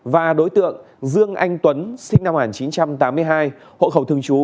và đối tượng dương anh tuấn sinh năm một nghìn chín trăm tám mươi hai hộ khẩu thường trú